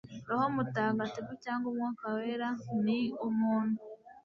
Roho Mutagatifu,” cyangwa umwuka wera, ni umuntu